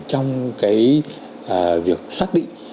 trong cái việc xác định